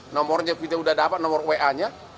nomornya kita sudah dapat nomor wa nya